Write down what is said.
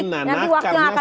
nanti waktunya akan menjawab